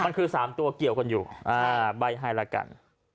มันคือ๓ตัวเกี่ยวกันอยู่ใบ้ให้ละกัน